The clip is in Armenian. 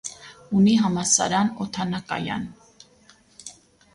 Ունի համալսարան, օդանակայան։